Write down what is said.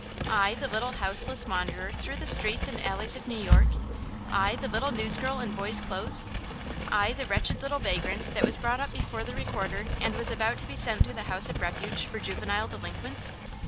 I, the little houseless wanderer through the streets and alleys of New York? I, the little newsgirl in boy's clothes? I, the wretched little vagrant that was brought up before the recorder and was about to be sent to the House of Refuge for juvenile delinquents?